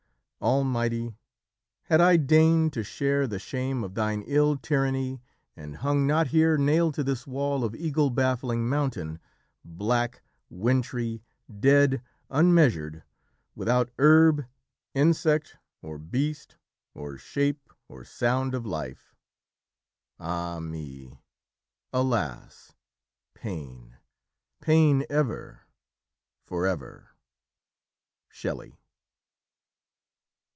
Almighty, had I deigned to share the shame Of thine ill tyranny, and hung not here Nailed to this wall of eagle baffling mountain, Black, wintry, dead, unmeasured; without herb, Insect, or beast, or shape or sound of life. Ah me! alas, pain, pain ever, for ever!" Shelley.